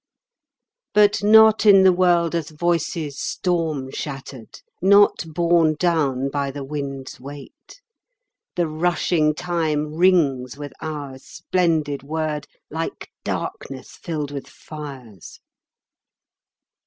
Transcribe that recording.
But not in the world as voices storm shatter'd, Not borne down by the wind's weight; The rushing time rings with our splendid word Like darkness filled with fires.